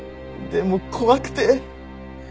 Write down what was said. でも怖くて。